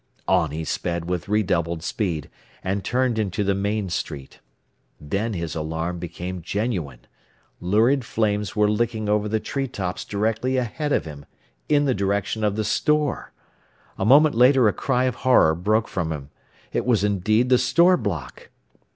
On he sped with redoubled speed, and turned into the main street. Then his alarm became genuine. Lurid flames were licking over the tree tops directly ahead of him in the direction of the store! A moment later a cry of horror broke from him. It was indeed the store block!